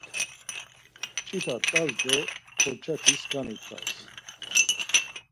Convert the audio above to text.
Mç̌ita t̆as do porçati skani t̆as.